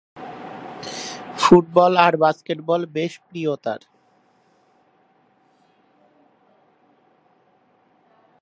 Football আর basketball বেশ প্রিয় তাঁর।